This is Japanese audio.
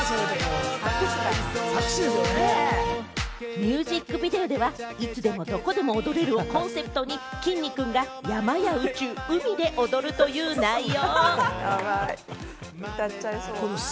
ミュージックビデオでは、いつでも、どこでも踊れるをコンセプトに、きんに君が山や宇宙、海で踊るという内容。